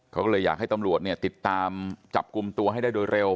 เขาก็เลยอยากให้ตำรวจเนี่ยติดตามจับกลุ่มตัวให้ได้โดยเร็ว